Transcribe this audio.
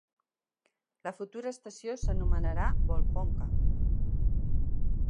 La futura estació s'anomenarà Volkhonka.